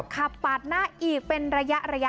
ขับปาดหน้าอีกเป็นระยะ